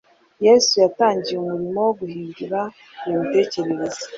Yesu yatangiye umurimo wo guhindura iyo mitekerereze